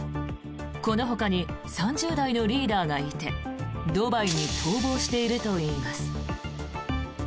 このほかに３０代のリーダーがいてドバイに逃亡しているといいます。